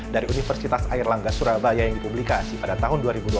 dari universitas air langga surabaya yang dipublikasi pada tahun dua ribu dua puluh satu